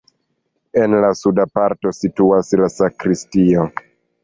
En la suda parto situas la sakristio.